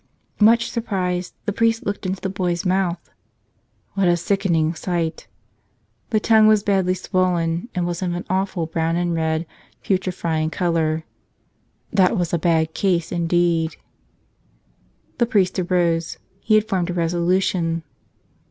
Much surprised, the priest looked into the boy's 28 Jesus! mouth. What a sickening sight! The tongue was badly swollen and was of an awful brown and red putrefying color. That was a bad case indeed. The priest arose. He had formed a resolution.